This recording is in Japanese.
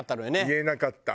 言えなかった。